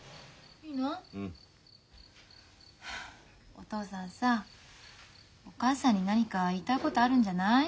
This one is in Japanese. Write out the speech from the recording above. お父さんさお母さんに何か言いたいことあるんじゃない？